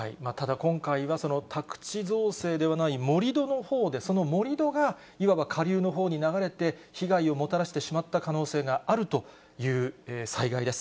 今回は、その宅地造成ではない、盛り土のほうで、その盛り土がいわば下流のほうに流れて、被害をもたらしてしまった可能性があるという災害です。